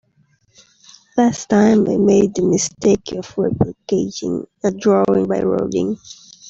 Last time, I made the mistake of replicating a drawing by Rodin.